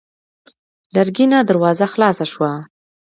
لرګينه دروازه خلاصه شوه.